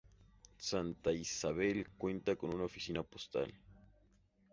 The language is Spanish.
Santa Ysabel cuenta con una oficina postal.